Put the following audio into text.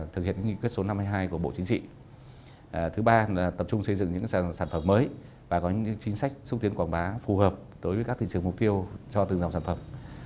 thứ ba là tập trung xây dựng những sản phẩm mới và có những chính sách xúc tiến quảng bá phù hợp đối với các thị trường mục tiêu cho từng dòng sản phẩm